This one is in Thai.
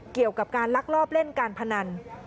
เกี่ยวกับการลักลอบเล่นการพนัน